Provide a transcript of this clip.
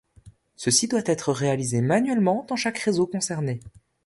Ceci doit être réalisé manuellement dans chaque réseau concerné.